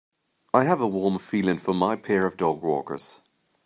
I have a warm feeling for my pair of dogwalkers.